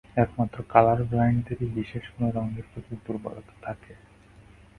একমাত্র কালার-ব্লাইণ্ডদেরই বিশেষ কোনো রঙের প্রতি দুর্বলতা থাকে।